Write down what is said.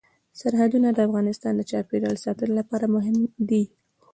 سرحدونه د افغانستان د چاپیریال ساتنې لپاره مهم دي.